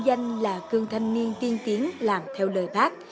danh là cương thanh niên tiên tiến làm theo lời bác